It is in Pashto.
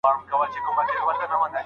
درواغ ویل بد عادت دی.